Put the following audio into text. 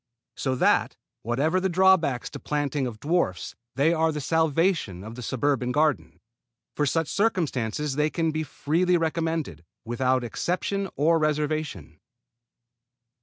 So that, whatever the drawbacks to the planting of dwarfs, they are the salvation of the suburban garden. For such circumstances they can be freely recommended, without exception or reservation.